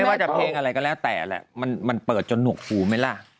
ว่าจะเพลงอะไรก็แล้วแต่แหละมันเปิดจนหนวกหูไหมล่ะ